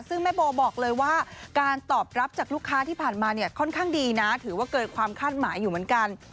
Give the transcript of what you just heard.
ซึ่งแม่โบบอกเลยว่าการตอบรับจากลูกค้าที่ผ่านมาเนี่ยค่อนข้างดีนะถือว่าเกินความคาดหมายอยู่เหมือนกัน